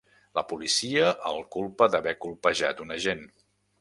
La policia el culpa d’haver colpejat un agent.